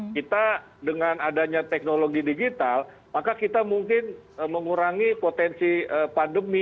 kita dengan adanya teknologi digital maka kita mungkin mengurangi potensi pandemi